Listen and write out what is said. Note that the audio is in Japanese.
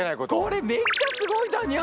これめっちゃすごいだにゃ！